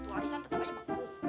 warisan tetep aja beku